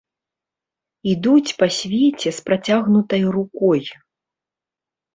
Ідуць па свеце з працягнутай рукой!